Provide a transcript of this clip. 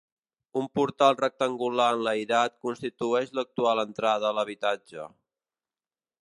Un portal rectangular enlairat constitueix l'actual entrada a l'habitatge.